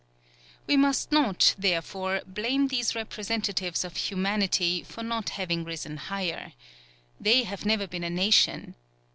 We must not, therefore, blame these representatives of humanity for not having risen higher. They have never been a nation.